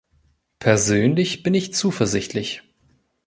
Persönlich bin ich zuversichtlich.